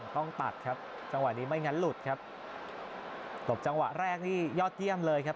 ต้องตัดครับจังหวะนี้ไม่งั้นหลุดครับตบจังหวะแรกนี่ยอดเยี่ยมเลยครับ